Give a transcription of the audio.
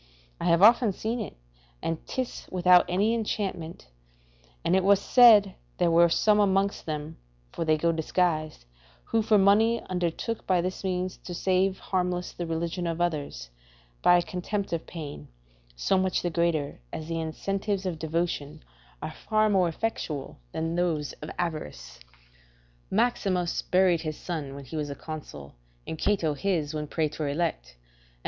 I have often seen it, and 'tis without any enchantment; and it was said there were some amongst them (for they go disguised) who for money undertook by this means to save harmless the religion of others, by a contempt of pain, so much the greater, as the incentives of devotion are more effectual than those of avarice. Q. Maximus buried his son when he was a consul, and M. Cato his when praetor elect, and L.